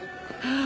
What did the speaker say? ああ。